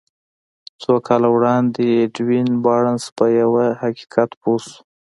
څو کاله وړاندې ايډوين بارنس په يوه حقيقت پوه شو.